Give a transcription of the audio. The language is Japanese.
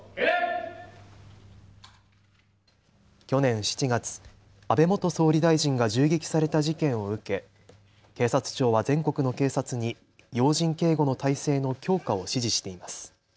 去年７月、安倍元総理大臣が銃撃された事件を受け警察庁は全国の警察に要人警護の体制の強化を指示しています。